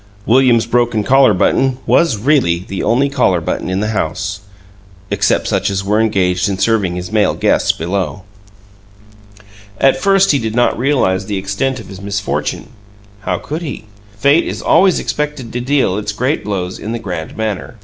William's broken collar button was really the only collar button in the house, except such as were engaged in serving his male guests below. At first he did not realize the extent of his misfortune. How could he? Fate is always expected to deal its great blows in the grand manner.